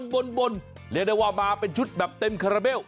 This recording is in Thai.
บ่นเรียกได้ว่ามาเป็นชุดเต็มขระเบ้ล